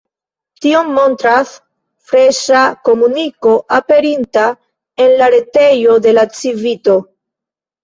Tion montras freŝa komuniko, aperinta en la retejo de la Civito.